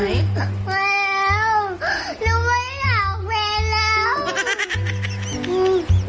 ไปแล้วหนูไม่อยากไปแล้ว